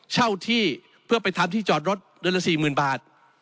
เช่าที่เพื่อไปทำที่จอดรถเดือนละ๔๐๐๐บาท